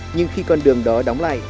nhưng khi con đường đó đóng lại